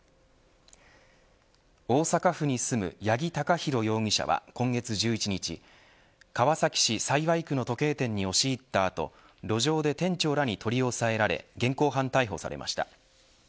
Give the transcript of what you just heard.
大阪府に住む八木貴寛容疑者は今月１１日川崎市幸区の時計店に押し入った後、路上で店長らに取り押さえられ現行犯逮捕されました。